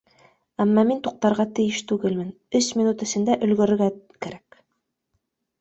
Әммә мин туҡтарға тейеш түгелмен, өс минут эсендә өлгөрөргә кәрәк.